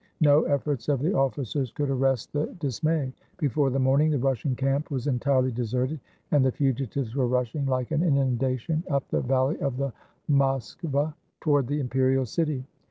No efforts of the officers could arrest the dismay. Before the morning, the Russian camp was entirely deserted, and the fugitives were rushing, like an inundation, up the valley of the Moskva toward the imperial city.